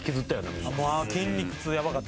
筋肉痛ヤバかった。